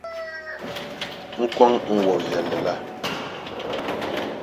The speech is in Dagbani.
N kɔŋ n wɔʼ viɛlli la.